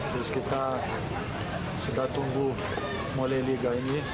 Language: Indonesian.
terus kita sudah tunggu mulai liga ini